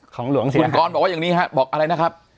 ของหลวงเสียหายคุณกรบอกว่าอย่างนี้ครับบอกอะไรนะครับ